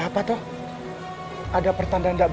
hancurkan pasukan daniman